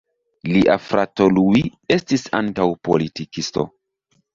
Lia frato Luis estis ankaŭ politikisto.